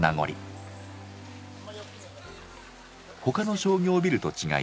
他の商業ビルと違い